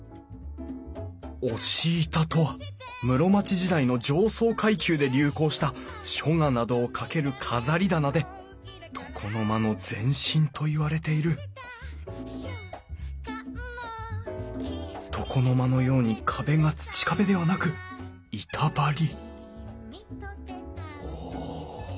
押し板とは室町時代の上層階級で流行した書画などをかける飾り棚で床の間の前身といわれている床の間のように壁が土壁ではなく板張りおお。